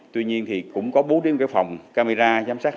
tuy nhiên thì cũng có bố điểm cái phòng camera giám sát hai mươi bốn h